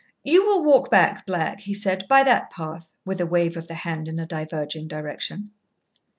"You will walk back, Black," he said, "by that path," with a wave of the hand in a diverging direction.